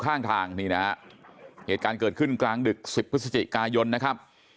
ข้างทางนี่นะฮะเหตุการณ์เกิดขึ้นกลางดึก๑๐พฤศจิกายนนะครับ